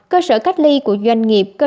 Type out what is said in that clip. cơ sở cách ly của doanh nghiệp